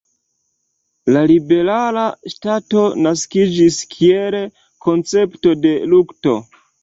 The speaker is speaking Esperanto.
La Liberala Ŝtato naskiĝis kiel koncepto de lukto.